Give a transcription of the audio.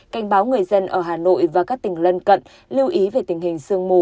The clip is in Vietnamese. cảnh báo người dân ở hà nội và các tỉnh lân cận lưu ý về tình hình sương mù